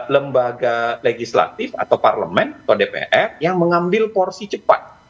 lembaga legislatif atau parlemen atau dpr yang mengambil porsi cepat